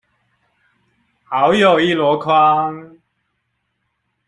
好友一籮筐